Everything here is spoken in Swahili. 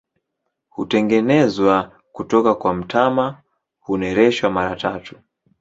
Hutengenezwa kutoka kwa mtama, hunereshwa mara tatu.